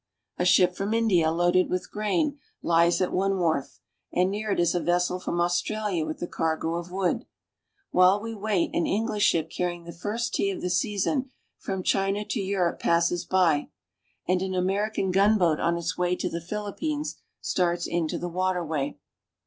A ship from India, loaded with grain, lies at one wharf, and near it is a vessel from Australia with a cargo of wool. While we wait an English ship carrying the first tea of the season from China to Europe passes by, and an American gunboat on its way to the Philippines starts into the water way.